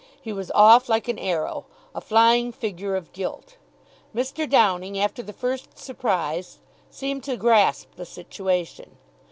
He was off like an arrow a flying figure of Guilt. Mr. Downing, after the first surprise, seemed to grasp the situation.